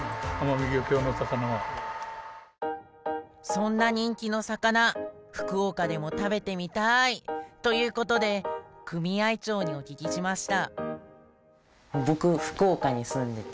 そんな人気の魚福岡でも食べてみたい！ということで組合長にお聞きしました